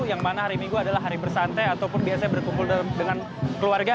yang mana hari minggu adalah hari bersantai ataupun biasanya berkumpul dengan keluarga